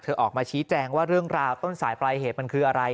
ออกมาชี้แจงว่าเรื่องราวต้นสายปลายเหตุมันคืออะไร